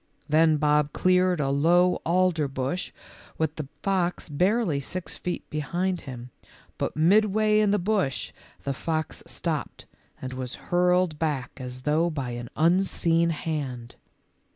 Then Bob cleared a low alder bush with the fox barely six feet behind him, but midway in the bush the fox stopped and was hurled back as though by an unseen hand.